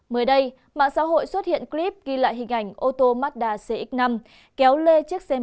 mới đây mạng xã hội xuất hiện clip ghi lại hình ảnh ô tô mazda cx năm